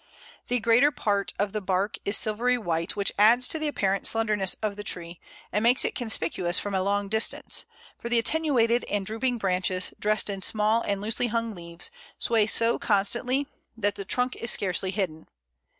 The greater part of the bark is silvery white, which adds to the apparent slenderness of the tree, and makes it conspicuous from a long distance; for the attenuated and drooping branches, dressed in small and loosely hung leaves, sway so constantly that the trunk is scarcely hidden.